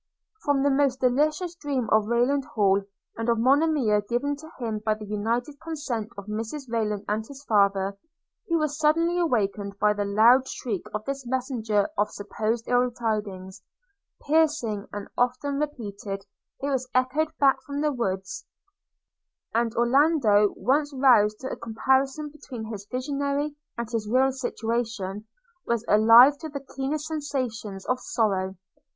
From the most delicious dream of Rayland Hall, and of Monimia given to him by the united consent of Mrs Rayland and his father, he was suddenly awakened by the loud shriek of this messenger of supposed ill tidings; piercing, and often repeated, it was echoed back from the woods; and Orlando, once roused to a comparison between his visionary and his real situation, was alive to the keenest sensations of sorrow.